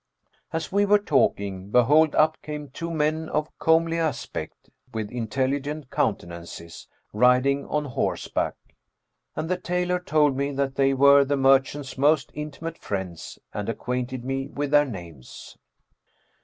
As we were talking, behold, up came two men, of comely aspect with intelligent countenances, riding on horseback; and the tailor told me that they were the merchant's most intimate friends and acquainted me with their names.